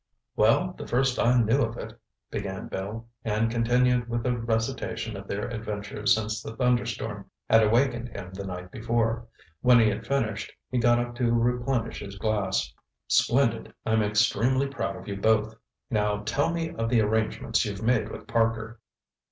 "Well, the first I knew of it," began Bill, and continued with a recitation of their adventures since the thunderstorm had awakened him the night before. When he had finished, he got up to replenish his glass. "Splendid! I'm extremely proud of you both. Now tell me of the arrangements you've made with Parker."